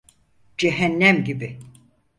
Cehennem gibi.